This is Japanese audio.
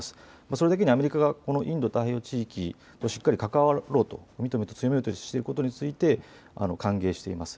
それだけにアメリカがこのインド太平洋地域としっかり関わろうと関与を強めていることを歓迎しています。